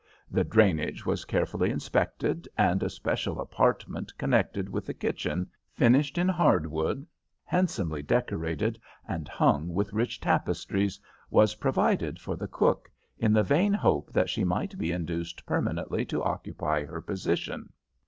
The drainage was carefully inspected, and a special apartment connected with the kitchen, finished in hardwood, handsomely decorated, and hung with rich tapestries, was provided for the cook, in the vain hope that she might be induced permanently to occupy her position.